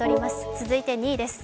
続いて２位です。